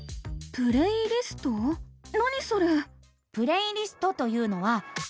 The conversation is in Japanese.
何それ？